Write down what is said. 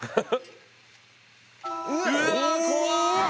うわ怖っ！